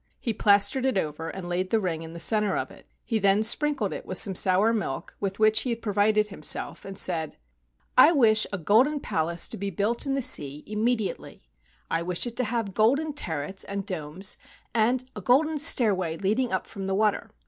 He plastered it over and laid the ring in the center of it. He then sprinkled it with some sour milk with which he had provided himself and said, "I wish a golden palace to be built in the sea immedi¬ ately. I wish it to have golden turrets and domes, and a golden stairway leading up from the water.